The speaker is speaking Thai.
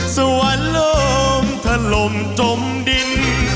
สวรรค์ลมถ้าลมจมดิน